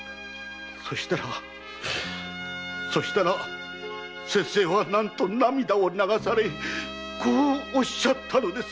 そしたら先生は何と涙を流されこうおっしゃったのです。